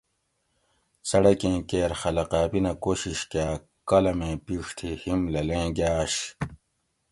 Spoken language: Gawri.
څڑکیں کیر خلقہ اپینہ کوشش کاۤ کالامیں پِیڛ تھی ہِیم لھلیں گاۤش